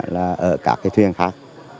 là ở các cái thuyền khác